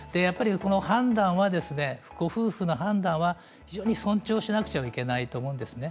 判断は、ご夫婦の判断は非常に尊重しなくてはいけないと思うんですね。